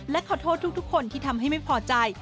และขอโทษทุกคนที่ทำให้ไม่พอใจ